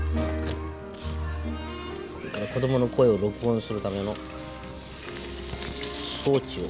これから子供の声を録音するための装置を付ける。